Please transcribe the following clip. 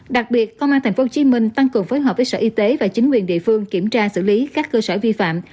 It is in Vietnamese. đặc biệt công an tp hcm tăng cường phối hợp với sở y tế và chính quyền địa phương kiểm tra xử lý các cơ sở vi phạm